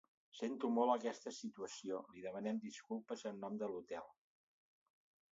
Sento molt aquesta situació, li demanem disculpes en nom de l'hotel.